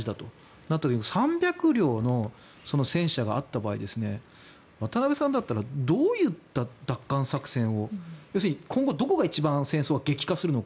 あと３００両の戦車があった場合渡部さんだったらどういった奪還作戦を要するに今後、どこが一番戦争は激化するのか。